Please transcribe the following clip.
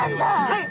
はい。